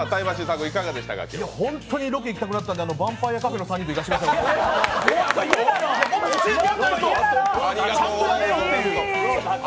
本当にロケに行きたくなったのでヴァンパイアカフェの３人と行かせていただきたいです。